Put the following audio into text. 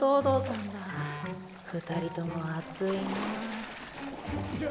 ２人とも熱いなぁちょ